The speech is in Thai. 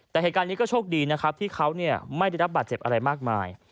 แต่เหตุการณ์นี้ก็โชคดีนะครับที่เขาไม่ได้รับบาดเจ็บอะไรมากมาย